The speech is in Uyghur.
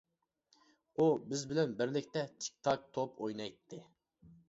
ئۇ بىز بىلەن بىرلىكتە تىك-تاك توپ ئوينايتتى.